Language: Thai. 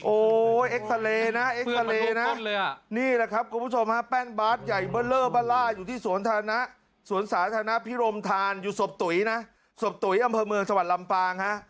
โอ้โหเอ็กซาเลนะเอ็กซาเลนะนี่แหละครับคุณผู้ชมฮะแป้นบาสใหญ่เบอร์เลอร์บ้านล่าอยู่ที่สวนธารณะสวนสาธารณพิรมธานอยู่ศพตุ๋ยนะศพตุ๋ยอำเภอเมืองจังหวัดลำปางฮะ